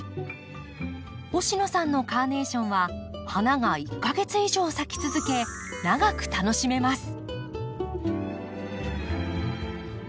星野さんのカーネーションは花が１か月以上咲き続け長く楽しめます。